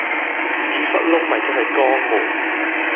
屎忽窿咪即係肛門